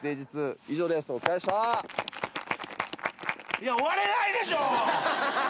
いや終われないでしょ！